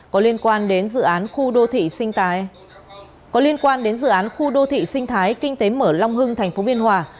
có liên quan đến dự án khu đô thị sinh thái kinh tế mở long hưng tp biên hòa